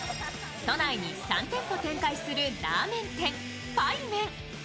都内に３店舗展開するラーメン店、百麺。